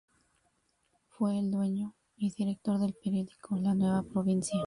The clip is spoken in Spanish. Fue el dueño y director del periódico La Nueva Provincia.